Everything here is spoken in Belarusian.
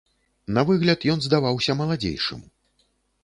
На выгляд ён здаваўся маладзейшым.